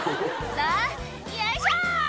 さあ、よいしょ！